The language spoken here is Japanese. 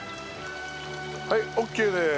はいオッケーです。